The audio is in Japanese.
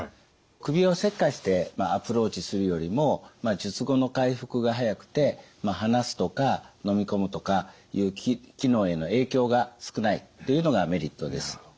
首を切開してアプローチするよりも術後の回復が早くて話すとか飲み込むとかいう機能への影響が少ないというのがメリットです。